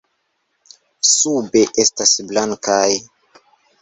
Sube estas blankaj.